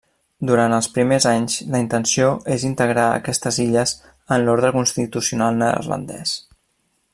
Durant els primers anys la intenció és integrar aquestes illes en l'ordre constitucional neerlandès.